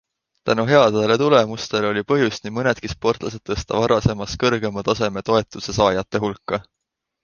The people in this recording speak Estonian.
Tänu headele tulemustele oli põhjust nii mõnedki sportlased tõsta varasemast kõrgema taseme toetuse saajate hulka.